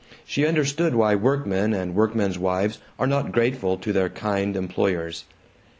She understood why workmen and workmen's wives are not grateful to their kind employers.